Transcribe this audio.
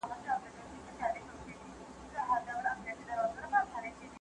د خوړو مسمومیت د ماشومانو په فزیکي وده ناوړه اغېز لري.